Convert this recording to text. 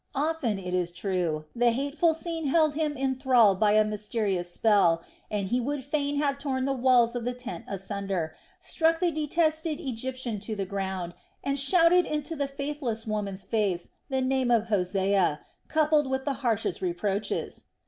Often, it is true, the hateful scene held him in thrall by a mysterious spell and he would fain have torn the walls of the tent asunder, struck the detested Egyptian to the ground, and shouted into the faithless woman's face the name of Hosea, coupled with the harshest reproaches.